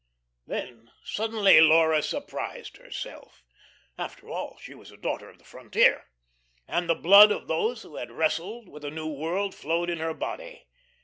Then suddenly Laura surprised herself. After all, she was a daughter of the frontier, and the blood of those who had wrestled with a new world flowed in her body.